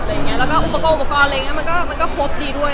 และอุปกรณ์อะไรอย่างเงี้ยมันก็ควบคุมดีด้วย